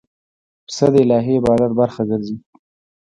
پسه د الهی عبادت برخه ګرځي.